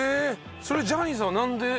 それジャニーさんはなんで？